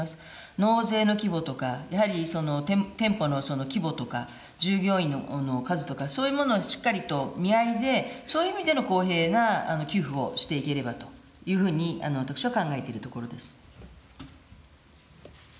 納税の規模とか、やはり店舗の規模とか、従業員の数とか、そういうものをしっかりと見合いで、そういう意味でも、公平な給付をしていければというふうに私は考えているところです。